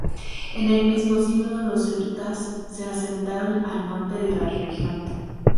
En el mismo siglo, los Celtas se asentaron al norte de la región.